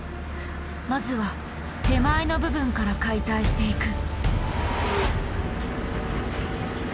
まずは手前の部分から解体していく。